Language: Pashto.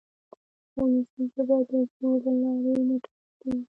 وولسي ژبه د زور له لارې نه ټاکل کېږي.